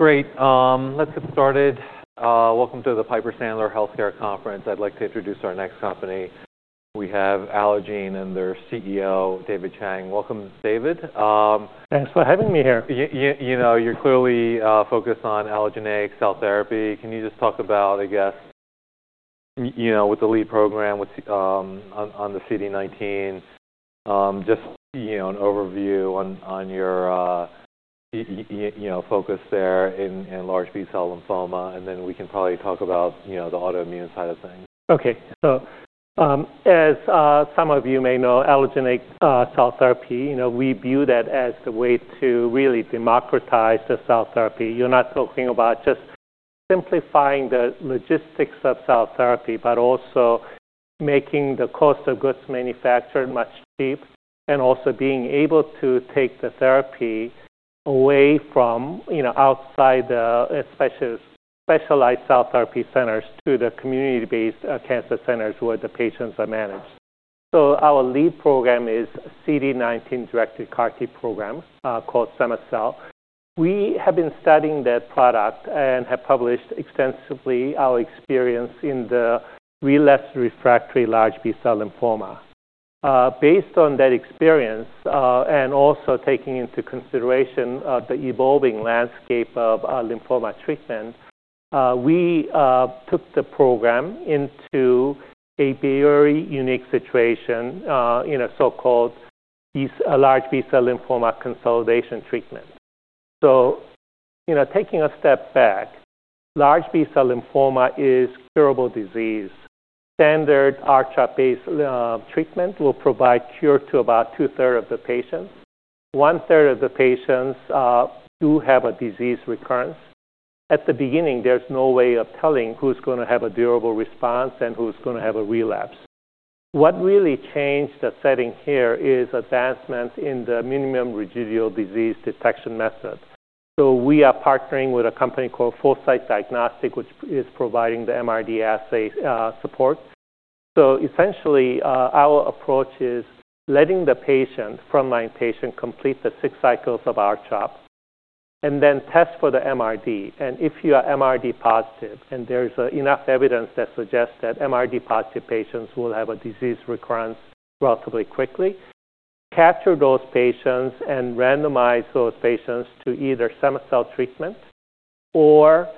Great. Let's get started. Welcome to the Piper Sandler Healthcare Conference. I'd like to introduce our next company. We have Allogene and their CEO, David Chang. Welcome, David. Thanks for having me here. You know, you're clearly focused on Allogeneic Cell Therapy. Can you just talk about, I guess, you know, with the lead program on the CD19, just, you know, an overview on your focus there in large B-cell lymphoma, and then we can probably talk about, you know, the autoimmune side of things. Okay. As some of you may know, Allogeneic Cell Therapy, you know, we view that as the way to really democratize the cell therapy. You're not talking about just simplifying the logistics of cell therapy, but also making the cost of goods manufactured much cheaper, and also being able to take the therapy away from, you know, outside the specialized cell therapy centers to the community-based cancer centers where the patients are managed. Our lead program is CD19-directed CAR-T programs called Cema-cel. We have been studying that product and have published extensively our experience in the relapsed refractory large B-cell lymphoma. Based on that experience, and also taking into consideration the evolving landscape of lymphoma treatment, we took the program into a very unique situation in a so-called large B-cell lymphoma consolidation treatment. You know, taking a step back, large B-cell lymphoma is a curable disease. Standard R-CHOP-based treatment will provide cure to about two-thirds of the patients. One-third of the patients do have a disease recurrence. At the beginning, there's no way of telling who's going to have a durable response and who's going to have a relapse. What really changed the setting here is advancement in the minimal residual disease detection method. We are partnering with a company called Foresight Diagnostics, which is providing the MRD assay supports. Essentially, our approach is letting the frontline patient complete the six cycles of R-CHOP and then test for the MRD. If you are MRD positive, and there's enough evidence that suggests that MRD positive patients will have a disease recurrence relatively quickly, capture those patients and randomize those patients to either Cema-cel treatment or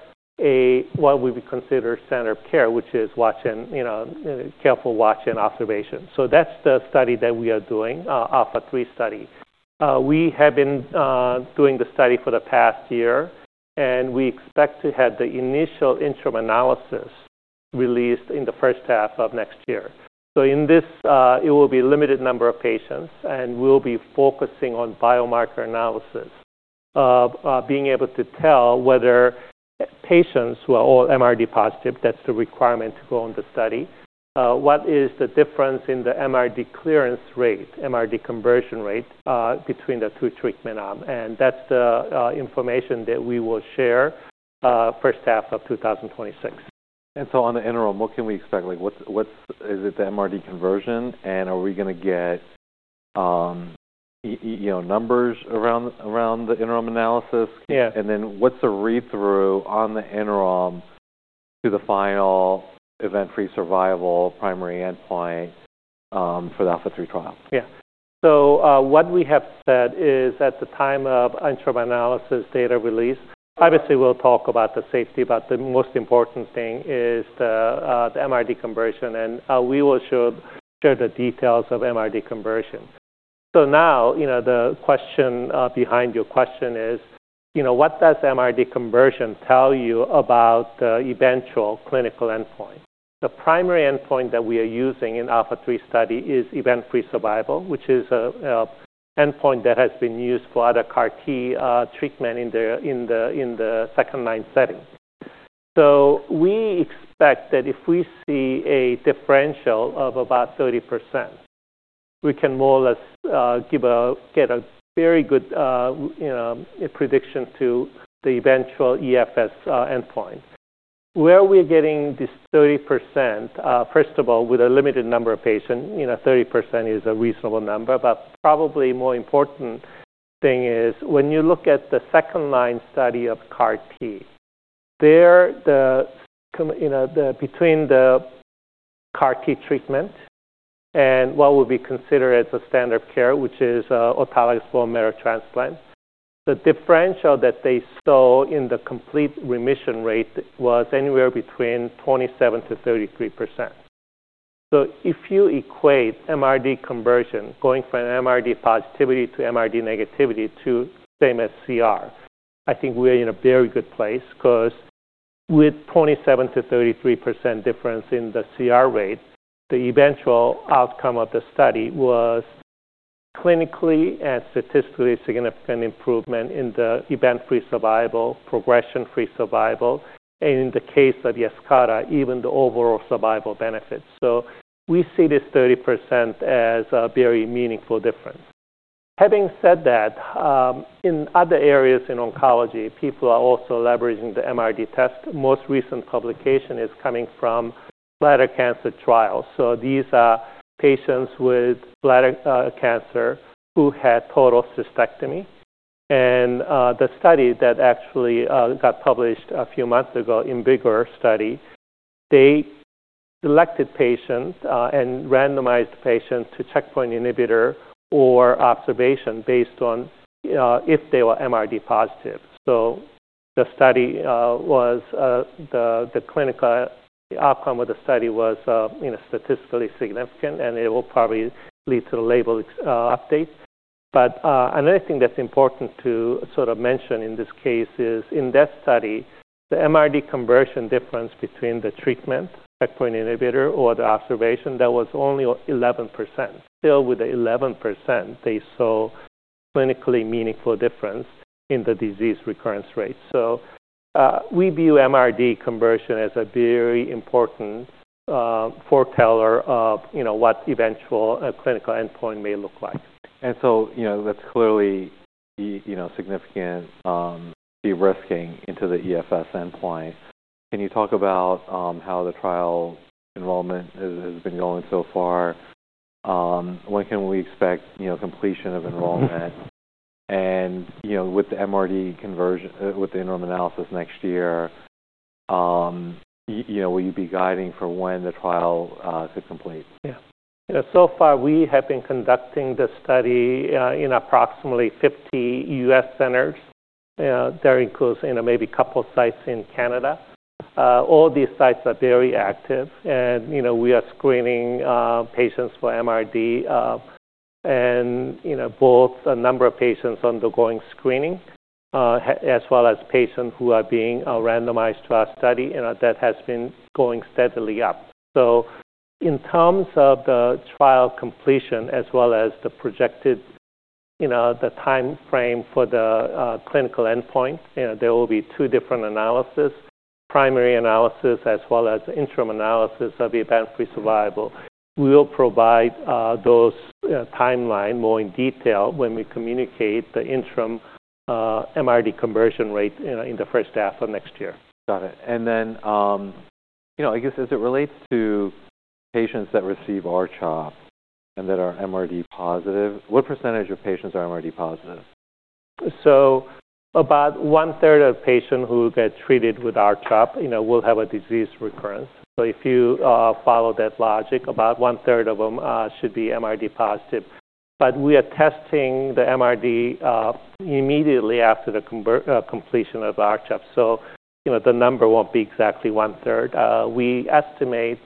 what we would consider standard care, which is watching, you know, careful watch and observation. That's the study that we are doing, Alpha3 study. We have been doing the study for the past year, and we expect to have the initial interim analysis released in the first half of next year. In this, it will be a limited number of patients, and we'll be focusing on biomarker analysis of being able to tell whether patients who are all MRD positive, that's the requirement to go on the study, what is the difference in the MRD clearance rate, MRD conversion rate between the two treatment arms. That's the information that we will share first half of 2026. On the interim, what can we expect? Like, what's—is it the MRD conversion, and are we going to get, you know, numbers around the interim analysis? Yeah. What is the read-through on the interim to the final event-free survival primary endpoint for the Alpha3 trial? Yeah. So what we have said is at the time of interim analysis data release, obviously we'll talk about the safety, but the most important thing is the MRD conversion, and we will show the details of MRD conversion. Now, you know, the question behind your question is, you know, what does the MRD conversion tell you about the eventual clinical endpoint? The primary endpoint that we are using in Alpha3 study is event-free survival, which is an endpoint that has been used for other CAR-T treatment in the second-line settings. We expect that if we see a differential of about 30%, we can more or less get a very good prediction to the eventual EFS endpoint. Where we're getting this 30%, first of all, with a limited number of patients, you know, 30%, is a reasonable number, but probably a more important thing is when you look at the second-line study of CAR-T, you know, between the CAR-T treatment and what would be considered as a standard care, which is autologous bone marrow transplant, the differential that they saw in the complete remission rate was anywhere between 27%-33%. If you equate MRD conversion going from MRD positivity to MRD negativity to same as CR, I think we're in a very good place because with 27%-33% difference in the CR rate, the eventual outcome of the study was clinically and statistically significant improvement in the event-free survival, progression-free survival, and in the case of Yescarta, even the overall survival benefits. We see this 30%, as a very meaningful difference. Having said that, in other areas in oncology, people are also leveraging the MRD test. Most recent publication is coming from bladder cancer trials. These are patients with bladder cancer who had total cystectomy. The study that actually got published a few months ago, IMvigor study, they selected patients and randomized patients to checkpoint inhibitor or observation based on if they were MRD positive. The clinical outcome of the study was, you know, statistically significant, and it will probably lead to label updates. Another thing that's important to sort of mention in this case is in that study, the MRD conversion difference between the treatment, checkpoint inhibitor, or the observation, that was only 11%. Still with the 11%, they saw clinically meaningful difference in the disease recurrence rate. We view MRD conversion as a very important forecaller of, you know, what eventual clinical endpoint may look like. You know, that's clearly, you know, significant derisking into the EFS endpoint. Can you talk about how the trial involvement has been going so far? When can we expect, you know, completion of enrollment? And, you know, with the MRD conversion, with the interim analysis next year, you know, will you be guiding for when the trial to complete? Yeah. You know, so far we have been conducting the study in approximately 50 U.S. centers. That includes, you know, maybe a couple of sites in Canada. All these sites are very active, and, you know, we are screening patients for MRD and, you know, both a number of patients undergoing screening, as well as patients who are being randomized to our study, and that has been going steadily up. In terms of the trial completion, as well as the projected, you know, the timeframe for the clinical endpoint, you know, there will be two different analyses, primary analysis, as well as interim analysis of event-free survival. We'll provide those timelines more in detail when we communicate the interim MRD conversion rate in the first half of next year. Got it. You know, I guess as it relates to patients that receive R-CHOP and that are MRD positive, what percentage of patients are MRD positive? About one-third of patients who get treated with R-CHOP, you know, will have a disease recurrence. If you follow that logic, about one-third of them should be MRD positive. We are testing the MRD immediately after the completion of R-CHOP. So, you know, the number won't be exactly one-third. We estimate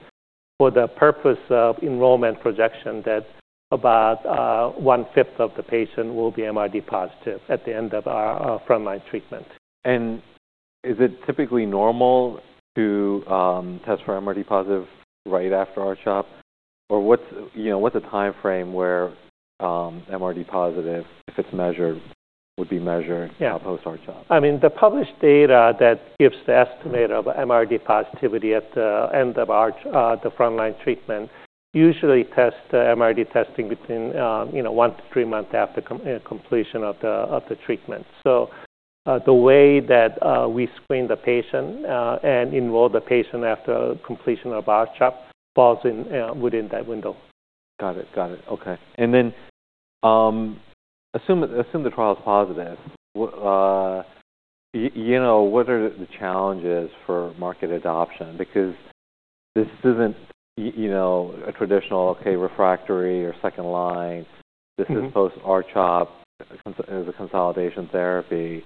for the purpose of enrollment projection that about one-fifth of the patients will be MRD positive at the end of our frontline treatment. Is it typically normal to test for MRD positive right after R-CHOP? Or what's, you know, what's a timeframe where MRD positive, if it's measured, would be measured post-R-CHOP? Yeah. I mean, the published data that gives the estimate of MRD positivity at the end of the frontline treatment usually tests the MRD testing between, you know, one to three months after completion of the treatment. The way that we screen the patient and enroll the patient after completion of R-CHOP falls within that window. Got it. Got it. Okay. Assume the trial is positive. You know, what are the challenges for market adoption? Because this is not, you know, a traditional, okay, refractory or second line. This is post-R-CHOP as a consolidation therapy.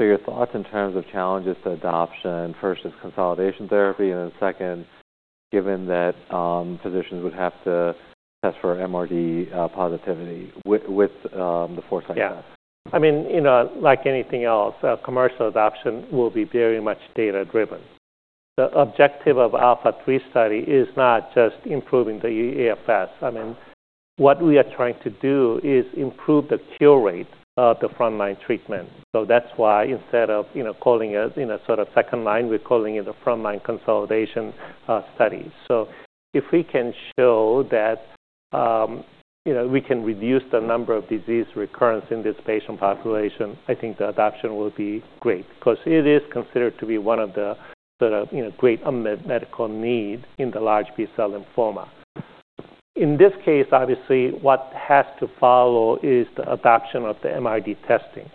Your thoughts in terms of challenges to adoption, first is consolidation therapy, and then second, given that physicians would have to test for MRD positivity with the Foresight test? Yeah. I mean, you know, like anything else, commercial adoption will be very much data-driven. The objective of Alpha3 study is not just improving the EFS. I mean, what we are trying to do is improve the cure rate of the frontline treatment. That is why instead of, you know, calling it, you know, sort of second line, we are calling it the frontline consolidation study. If we can show that, you know, we can reduce the number of disease recurrence in this patient population, I think the adoption will be great because it is considered to be one of the, you know, great medical needs in the large B-cell lymphoma. In this case, obviously, what has to follow is the adoption of the MRD testing.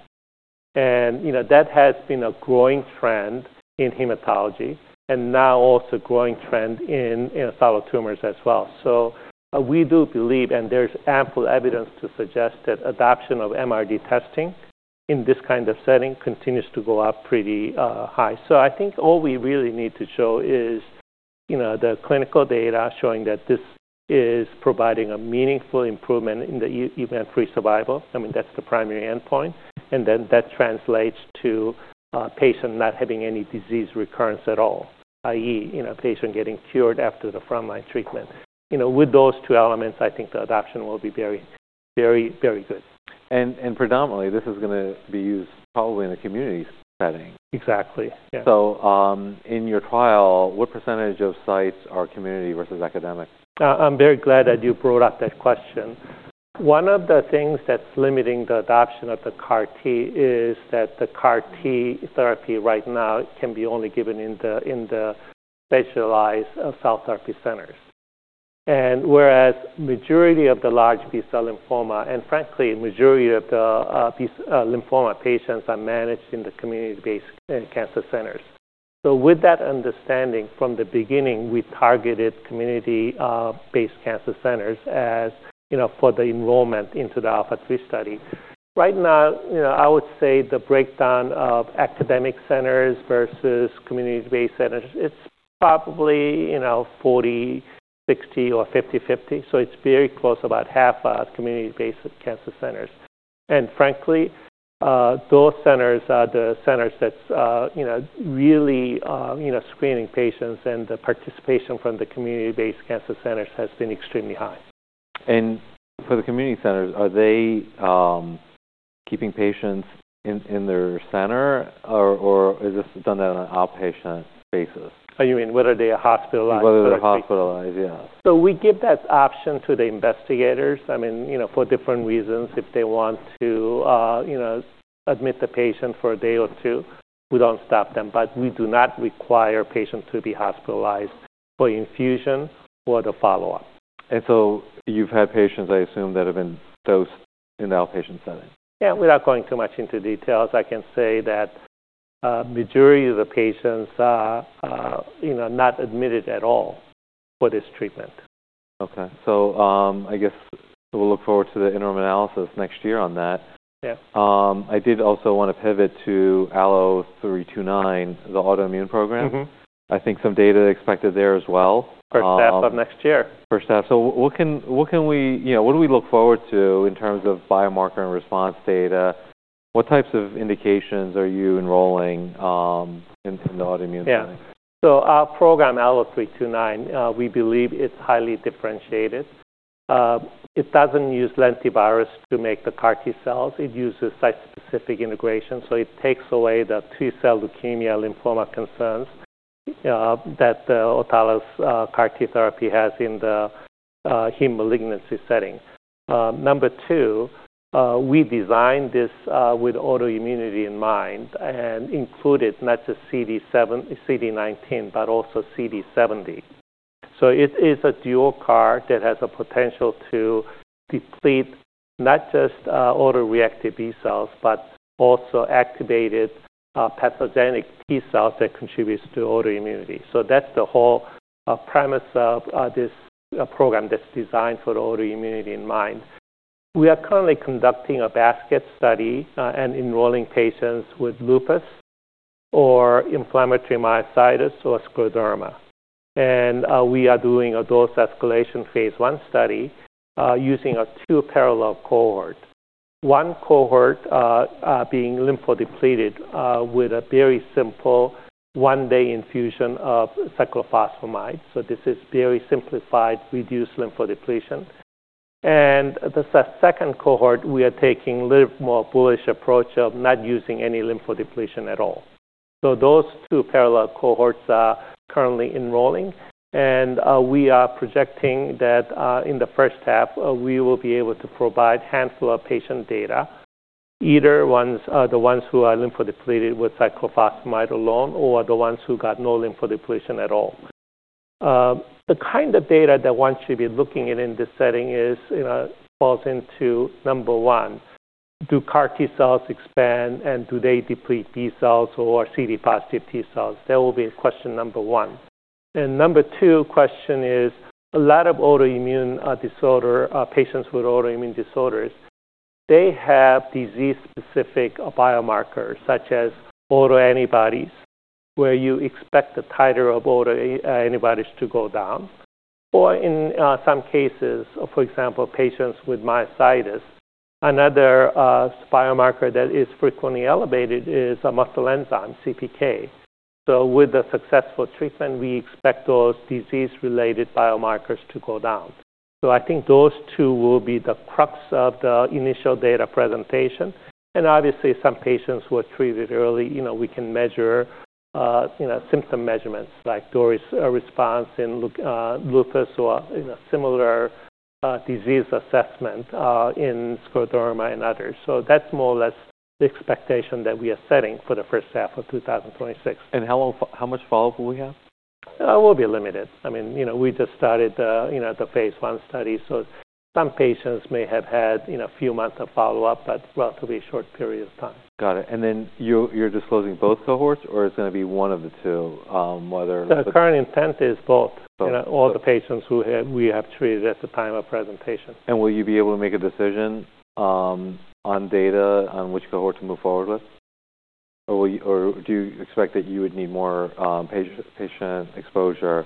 You know, that has been a growing trend in hematology and now also a growing trend in solid tumors as well. We do believe, and there's ample evidence to suggest that adoption of MRD testing in this kind of setting continues to go up pretty high. I think all we really need to show is, you know, the clinical data showing that this is providing a meaningful improvement in the event-free survival. I mean, that's the primary endpoint. And then that translates to a patient not having any disease recurrence at all, i.e., you know, a patient getting cured after the frontline treatment. You know, with those two elements, I think the adoption will be very, very, very good. Predominantly, this is going to be used probably in the community setting. Exactly. Yeah. In your trial, what percentage of sites are community versus academic? I'm very glad that you brought up that question. One of the things that's limiting the adoption of the CAR-T is that the CAR-T therapy right now can be only given in the specialized cell therapy centers. Whereas the majority of the large B-cell lymphoma, and frankly, the majority of the B-cell lymphoma patients are managed in the community-based cancer centers. With that understanding, from the beginning, we targeted community-based cancer centers as, you know, for the enrollment into the Alpha3 study. Right now, you know, I would say the breakdown of academic centers versus community-based centers, it's probably, you know, 40-60, or 50-50. It's very close, about half of community-based cancer centers. Frankly, those centers are the centers that's, you know, really, you know, screening patients, and the participation from the community-based cancer centers has been extremely high. For the community centers, are they keeping patients in their center, or is this done on an outpatient basis? You mean, whether they are hospitalized? Whether they're hospitalized, yeah. We give that option to the investigators. I mean, you know, for different reasons, if they want to, you know, admit the patient for a day or two, we do not stop them, but we do not require patients to be hospitalized for infusion or the follow-up. You have had patients, I assume, that have been dosed in the outpatient setting. Yeah, without going too much into details, I can say that the majority of the patients are, you know, not admitted at all for this treatment. Okay. I guess we'll look forward to the interim analysis next year on that. Yeah. I did also want to pivot to ALLO-329, the autoimmune program. I think some data expected there as well. First half of next year. First half. What can we, you know, what do we look forward to in terms of biomarker and response data? What types of indications are you enrolling in the autoimmune clinic? Yeah. Our program, ALLO-329, we believe it's highly differentiated. It doesn't use lentivirus to make the CAR-T cells. It uses site-specific integration. It takes away the T-cell leukemia lymphoma concerns that the autologous CAR-T therapy has in the heme malignancy setting. Number two, we designed this with autoimmunity in mind and included not just CD19, but also CD70. It is a dual CAR that has a potential to deplete not just autoreactive B-cells, but also activated pathogenic T-cells that contribute to autoimmunity. That's the whole premise of this program that's designed for the autoimmunity in mind. We are currently conducting a basket study and enrolling patients with lupus or inflammatory myositis or scleroderma. We are doing a dose escalation phase I study using a two-parallel cohort. One cohort being lymphodepleted with a very simple one-day infusion of cyclophosphamide. This is very simplified, reduced lymphodepletion. The second cohort, we are taking a little more bullish approach of not using any lymphodepletion at all. Those two parallel cohorts are currently enrolling. We are projecting that in the first half, we will be able to provide a handful of patient data, either the ones who are lymphodepleted with cyclophosphamide alone or the ones who got no lymphodepletion at all. The kind of data that one should be looking at in this setting is, you know, falls into number one, do CAR-T cells expand and do they deplete B-cells or CD-positive T-cells? That will be question number one. Number two question is a lot of autoimmune disorder patients with autoimmune disorders, they have disease-specific biomarkers such as autoantibodies, where you expect the titer of autoantibodies to go down. In some cases, for example, patients with myositis, another biomarker that is frequently elevated is a muscle enzyme, CPK. With the successful treatment, we expect those disease-related biomarkers to go down. I think those two will be the crux of the initial data presentation. Obviously, some patients were treated early, you know, we can measure, you know, symptom measurements like DORIS response in lupus or, you know, similar disease assessment in scleroderma and others. That is more or less the expectation that we are setting for the first half of 2026. How much follow-up will we have? It will be limited. I mean, you know, we just started, you know, the phase I study. So some patients may have had, you know, a few months of follow-up, but relatively short period of time. Got it. And then you're disclosing both cohorts or it's going to be one of the two, whether? The current intent is both, you know, all the patients who we have treated at the time of presentation. Will you be able to make a decision on data on which cohort to move forward with? Or do you expect that you would need more patient exposure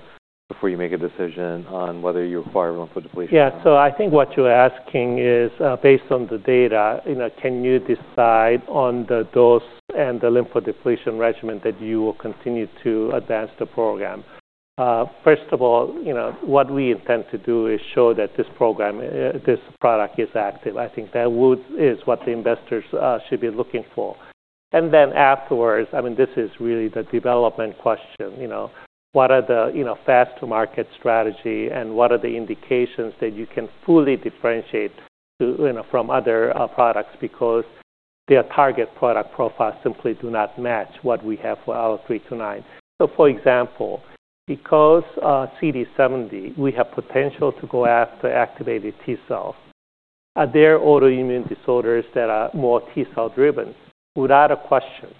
before you make a decision on whether you require lymphodepletion? Yeah. I think what you're asking is, based on the data, you know, can you decide on the dose and the lymphodepletion regimen that you will continue to advance the program? First of all, you know, what we intend to do is show that this program, this product is active. I think that is what the investors should be looking for. And then afterwards, I mean, this is really the development question, you know, what are the, you know, fast-to-market strategy and what are the indications that you can fully differentiate, you know, from other products because their target product profiles simply do not match what we have for ALLO-329. For example, because CD70, we have potential to go after activated T-cells. Are there autoimmune disorders that are more T-cell driven? Without a question.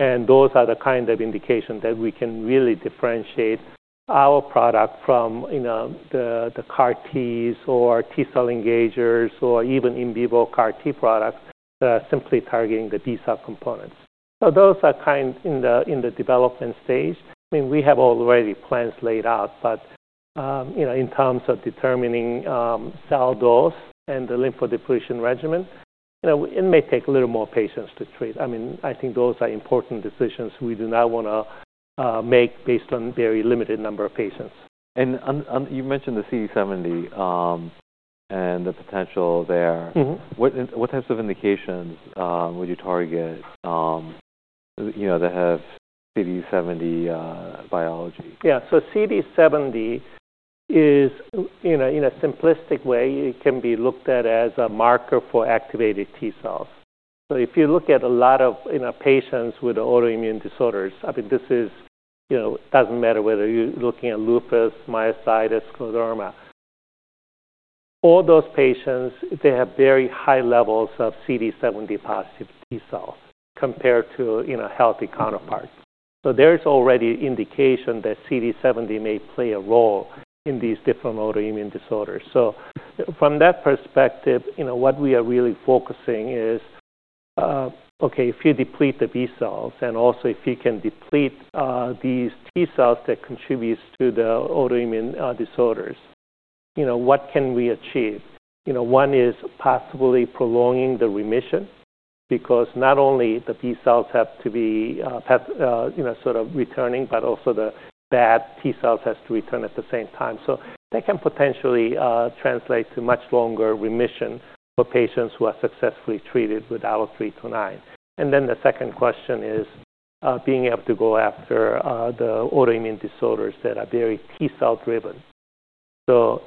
Those are the kind of indications that we can really differentiate our product from, you know, the CAR-Ts or T-cell engagers or even in vivo CAR-T products that are simply targeting the T-cell components. Those are kind of in the development stage. I mean, we have already plans laid out, but, you know, in terms of determining cell dose and the lymphodepletion regimens, you know, it may take a little more patience to treat. I mean, I think those are important decisions we do not want to make based on a very limited number of patients. You mentioned the CD70 and the potential there. What types of indications would you target, you know, that have CD70 biology? Yeah. So CD70 is, you know, in a simplistic way, it can be looked at as a marker for activated T-cells. If you look at a lot of, you know, patients with autoimmune disorders, I mean, this is, you know, it does not matter whether you're looking at lupus, myositis, scleroderma. All those patients, they have very high levels of CD70 positive T-cell compared to, you know, healthy counterparts. There is already indication that CD70 may play a role in these different autoimmune disorders. From that perspective, you know, what we are really focusing is, okay, if you deplete the B-cells and also if you can deplete these T-cells that contribute to the autoimmune disorders, you know, what can we achieve? You know, one is possibly prolonging the remission because not only the B-cells have to be, you know, sort of returning, but also the bad T-cells have to return at the same time. That can potentially translate to much longer remission for patients who are successfully treated with ALLO-329. The second question is being able to go after the autoimmune disorders that are very T-cell driven.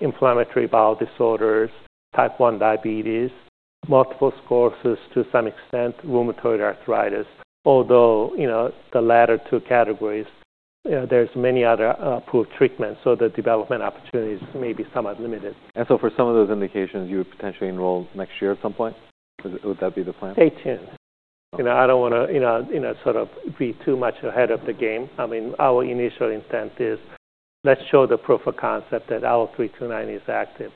Inflammatory bowel disorders, type 1 diabetes, multiple sclerosis to some extent, rheumatoid arthritis, although, you know, the latter two categories, there are many other pooled treatments. The development opportunities may be somewhat limited. For some of those indications, you would potentially enroll next year at some point? Would that be the plan? Stay tuned. You know, I don't want to, you know, you know, sort of be too much ahead of the game. I mean, our initial intent is let's show the proof of concept that ALLO-329 is active.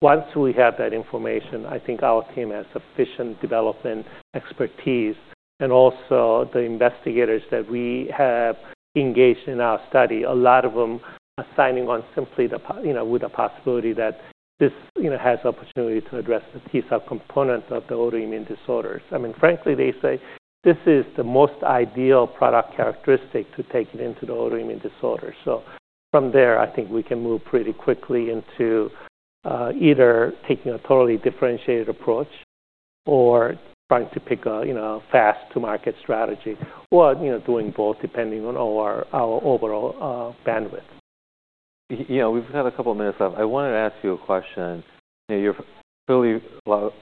Once we have that information, I think our team has sufficient development expertise and also the investigators that we have engaged in our study, a lot of them signing on simply the, you know, with the possibility that this, you know, has the opportunity to address the T-cell component of the autoimmune disorders. I mean, frankly, they say this is the most ideal product characteristic to take it into the autoimmune disorders. From there, I think we can move pretty quickly into either taking a totally differentiated approach or trying to pick a, you know, fast-to-market strategy or, you know, doing both depending on our overall bandwidth. You know, we've had a couple of minutes left. I wanted to ask you a question. You know, you're clearly a lot of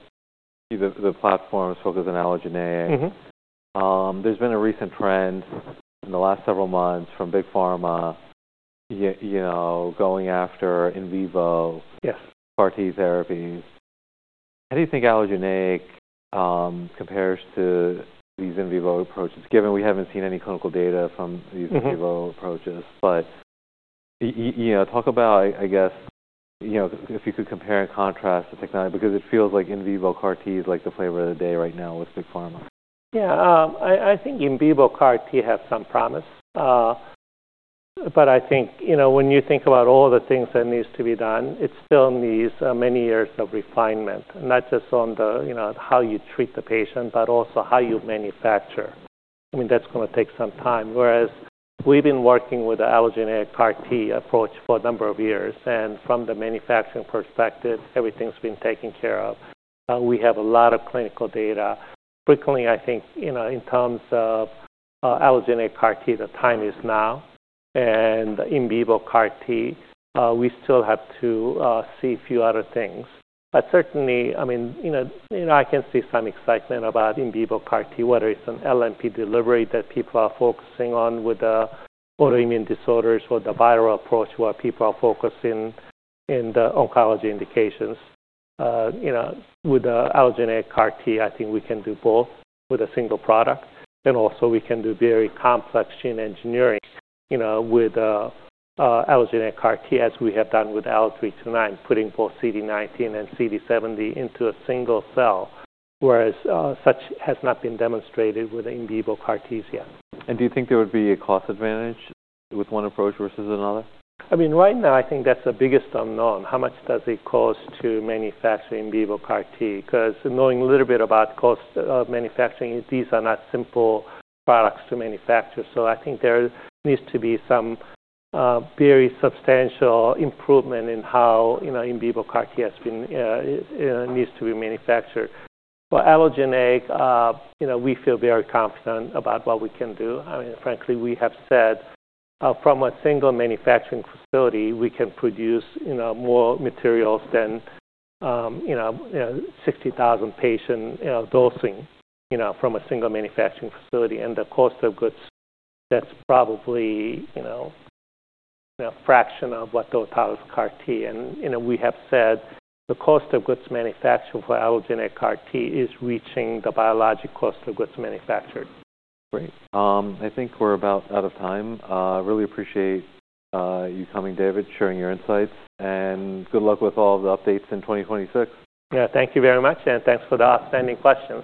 the platforms focus on allogeneic. There's been a recent trend in the last several months from big pharma, you know, going after in vivo CAR-T therapies. How do you think allogeneic compares to these in vivo approaches? Given we haven't seen any clinical data from these in vivo approaches, but, you know, talk about, I guess, you know, if you could compare and contrast the technology because it feels like in vivo CAR-T is like the flavor of the day right now with big pharma. Yeah. I think in vivo CAR-T has some promise. I think, you know, when you think about all the things that need to be done, it still needs many years of refinement, not just on the, you know, how you treat the patient, but also how you manufacture. I mean, that's going to take some time. Whereas we've been working with the allogeneic CAR-T approach for a number of years. From the manufacturing perspective, everything's been taken care of. We have a lot of clinical data. Frequently, I think, you know, in terms of allogeneic CAR-T, the time is now. In vivo CAR-T, we still have to see a few other things. Certainly, I mean, you know, you know, I can see some excitement about in vivo CAR-T, whether it's an LNP delivery that people are focusing on with the autoimmune disorders or the viral approach where people are focusing in the oncology indications. You know, with the allogeneic CAR-T, I think we can do both with a single product. Also, we can do very complex gene engineering, you know, with allogeneic CAR-T as we have done with ALLO-329, putting both CD19 and CD70 into a single cell, whereas such has not been demonstrated with in vivo CAR-Ts yet. Do you think there would be a cost advantage with one approach versus another? I mean, right now, I think that's the biggest unknown. How much does it cost to manufacture in vivo CAR-T? Because knowing a little bit about the cost of manufacturing, these are not simple products to manufacture. I think there needs to be some very substantial improvement in how, you know, in vivo CAR-T has been, you know, needs to be manufactured. For allogeneic, you know, we feel very confident about what we can do. I mean, frankly, we have said from a single manufacturing facility, we can produce, you know, more materials than, you know, 60,000 patient dosing, you know, from a single manufacturing facility. The cost of goods, that's probably, you know, a fraction of what those CAR-T. You know, we have said the cost of goods manufactured for allogeneic CAR-T is reaching the biologic cost of goods manufactured. Great. I think we're about out of time. I really appreciate you coming, David, sharing your insights. Good luck with all of the updates in 2026. Yeah, thank you very much. Thank you for the outstanding questions.